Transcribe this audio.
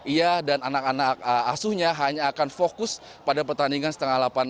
ia dan anak anak asuhnya hanya akan fokus pada pertandingan setengah delapan